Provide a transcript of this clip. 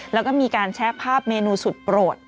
แล้วก็มีการแชะภาพเมนูสุดโปรด